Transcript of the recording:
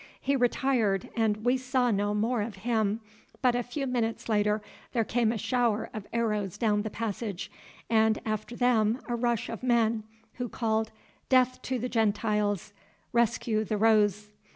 He retired, and we saw no more of him, but a few minutes later there came a shower of arrows down the passage, and after them a rush of men, who called, 'Death to the Gentiles. Rescue the Rose.